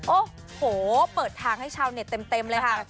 โอ้โหเปิดทางให้ชาวเน็ตเต็มเลยค่ะ